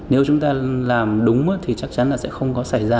nếu chúng ta làm đúng thì chắc chắn là sẽ không có xảy ra